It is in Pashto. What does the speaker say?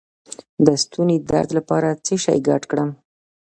د ستوني درد لپاره څه شی ګډ کړم؟